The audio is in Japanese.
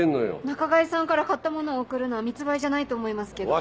仲買さんから買ったものを送るのは密売じゃないと思いますけど。